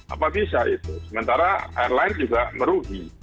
apa bisa itu sementara airline juga merugi